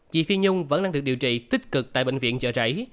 chị phi nhung vẫn đang được điều trị tích cực tại bệnh viện chợ rảy